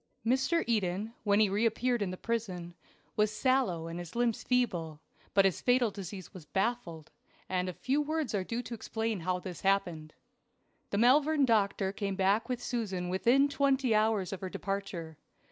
MR. EDEN, when he reappeared in the prison, was sallow and his limbs feeble, but his fatal disease was baffled, and a few words are due to explain how this happened. The Malvern doctor came back with Susan within twenty hours of her departure.